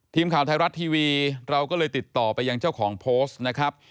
ทีมข่าวไทยรัฐทีวีเราก็เลยติดต่อไปยังเจ้าของโพสต์นะครับ